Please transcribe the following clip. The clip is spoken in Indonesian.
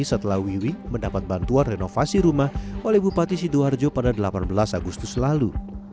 setelah wiwi mendapat bantuan renovasi rumah oleh bupati sidoarjo pada delapan belas agustus lalu